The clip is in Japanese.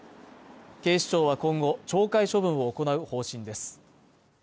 警視庁は今後、懲戒処分を行う方針です。